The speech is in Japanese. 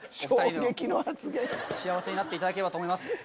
幸せになっていただければと思います。